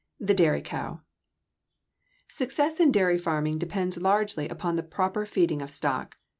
THE DAIRY COW Success in dairy farming depends largely upon the proper feeding of stock.